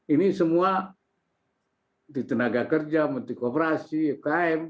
ini semua di tenaga kerja menteri kooperasi ukm